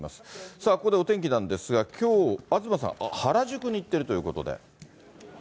さあ、ここでお天気なんですが、きょう、東さん、原宿に行っているということで。